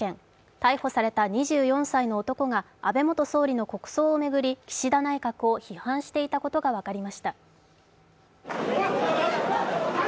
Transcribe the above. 逮捕された２４歳の男が安倍元総理の国葬を巡り岸田内閣を批判していたことが分かりました。